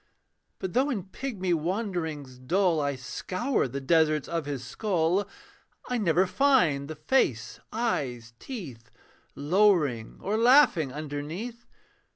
But though in pigmy wanderings dull I scour the deserts of his skull, I never find the face, eyes, teeth. Lowering or laughing underneath.